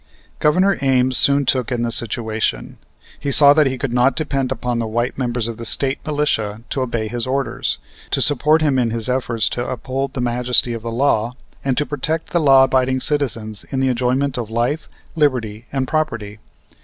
Governor Ames soon took in the situation. He saw that he could not depend upon the white members of the State militia to obey his orders, to support him in his efforts to uphold the majesty of the law, and to protect the law abiding citizens in the enjoyment of life, liberty, and property.